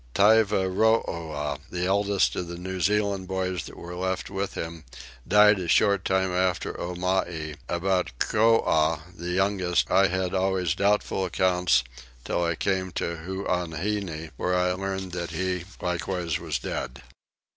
Tyvarooah, the eldest of the New Zealand boys that were left with him, died a short time after Omai: about Coah, the youngest, I had always doubtful accounts till I came to Huaheine, where I learnt that he likewise was dead.